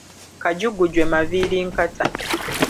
Kajugujwe Maviirinkata.